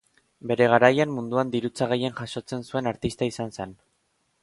Bere garaian munduan dirutza gehien jasotzen zuen artista izan zen.